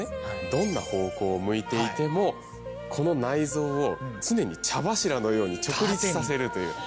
どんな方向を向いていてもこの内臓を常に茶柱のように直立させるという。